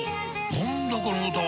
何だこの歌は！